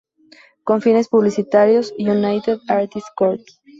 Con fines publicitarios, United Artists Corp.